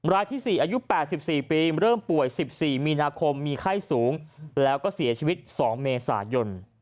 รายที่๔อายุ๘๔ปีเริ่มป่วย๑๔มีนาคมมีไข้สูงแล้วก็เสียชีวิต๒เมษายน